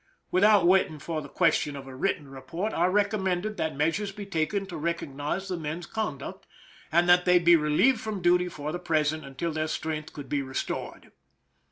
Without waiting for the question of a written report, I recommended that measures be taken to recognize the men's con duct, and that they be relieved from duty for the present until their strength could be restored.